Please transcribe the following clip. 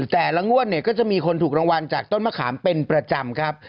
แต่ละงวดเนี่ยก็จะมีคนถูกรางวัลจากต้นมะขามเป็นประจำครับ